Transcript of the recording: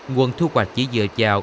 nguồn thu hoạch chỉ dựa vào